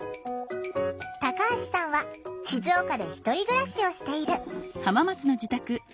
タカハシさんは静岡で１人暮らしをしている。